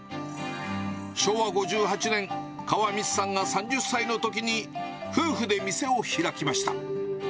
昭和５８年、川道さんが３０歳のときに夫婦で店を開きました。